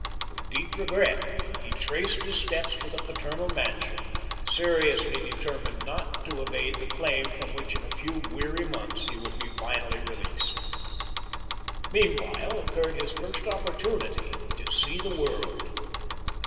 With deep regret he retraced his steps to the paternal mansion, seriously determined THE LIFE OF LINCOLN. 63 not to evade the claim from which in a few weary months he would be finally released. Meanwhile occurred his first opportunity to see the world.